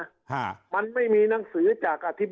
คราวนี้เจ้าหน้าที่ป่าไม้รับรองแนวเนี่ยจะต้องเป็นหนังสือจากอธิบดี